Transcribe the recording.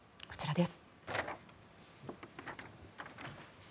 こちらです。